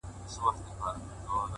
په يبلو پښو روان سو.